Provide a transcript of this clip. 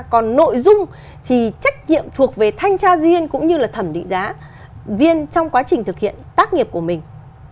còn nội dung thì trách nhiệm thuộc về thanh tra riêng cũng như là thẩm định giá viên trong quá trình thực hiện tác nghiệp của mình